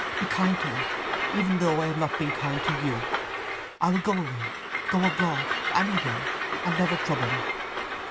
Be kind to me—even though I have not been kind to you! I will go away, go abroad, anywhere, and never trouble you.